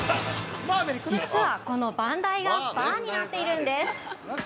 実は、この番台がバーになっているんです。